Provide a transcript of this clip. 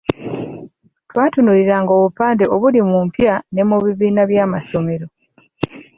Twatunuuliranga obupande obuli mu mpya ne mu bibiina bya amasomero.